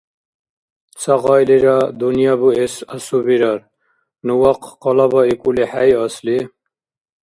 Ца гъайлира дунъя буэс асубирар. Ну вахъ къалабаикӀули хӀейасли?